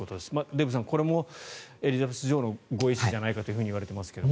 デーブさんこれもエリザベス女王のご意思じゃないかと言われていますけれど。